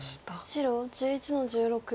白１１の十六。